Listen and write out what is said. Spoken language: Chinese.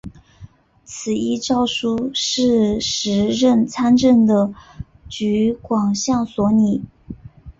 此一诏书是时任参议的橘广相所拟。